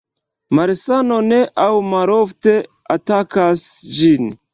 Malsano ne aŭ malofte atakas ĝin.